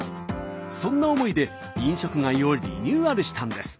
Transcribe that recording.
そんな思いで飲食街をリニューアルしたんです。